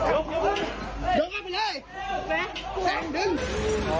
ลุกออกมาเลยดึง